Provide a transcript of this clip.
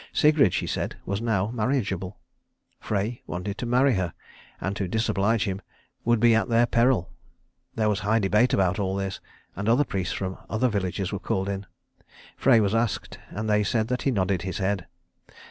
Sigrid, she said, was now marriageable. Frey wanted to marry her, and to disoblige him would be at their peril. There was high debate about all this, and other priests from other villages were called in. Frey was asked, and they say that he nodded his head.